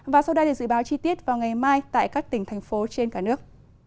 và sau đây là dự báo chi tiết vào ngày mai tại các tỉnh thành phố trên cả nước